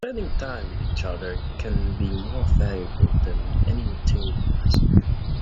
Spending time with each other can be more valuable than any material present.